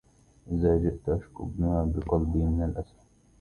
إذا جئت أشكو ما بقلبي من الأسى